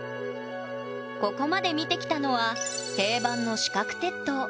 ここまで見てきたのは定番の四角鉄塔。